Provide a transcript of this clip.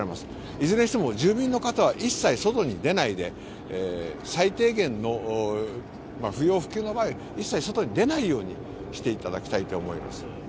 いずれにしても住民の方は一切、外に出ないで最低限の、不要不急以外一切外に出ないようにしていただきたいと思います。